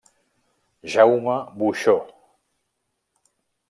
Jaume Boixó.